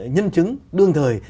nhân chứng đương thời